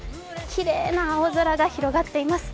きれいな青空が広がっています。